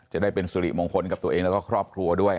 จะได้เป็นสุริมงคลกับตัวเองแล้วก็ครอบครัวด้วย